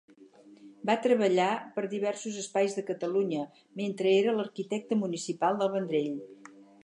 Va treballar per diversos espais de Catalunya, mentre era l'arquitecte municipal del Vendrell.